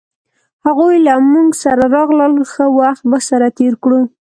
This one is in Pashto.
هغوی له مونږ سره راغلل ښه وخت به سره تیر کړو